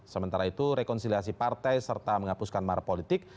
sementara itu rekonsiliasi partai serta menghapuskan marah politik